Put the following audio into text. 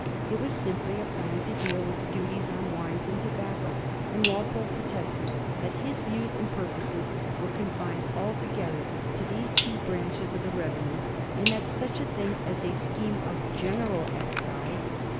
It was simply a plan to deal with the duties on wines and tobacco, and Walpole protested that his views and purposes were confined altogether to these two branches of the revenue, and that such a thing as a scheme for a general excise Digiti zed by Google 1733 WALPOLFS SCHEME.